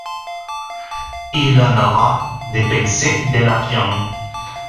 il en aura dépensé de l'argent.